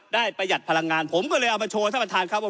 ประหยัดพลังงานผมก็เลยเอามาโชว์ท่านประธานครับว่า